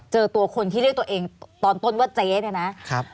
เจอตัวคนที่เรียกตัวเองตอนต้นว่าเจ๊เนี่ยนะครับ